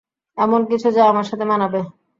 এমন কিছু যা আমার সাথে মানাবে।